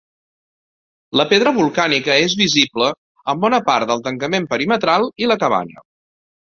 La pedra volcànica és visible en bona part del tancament perimetral i la cabana.